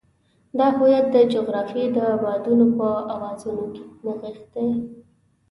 دا هویت د جغرافیې د بادونو په اوازونو کې نغښتی.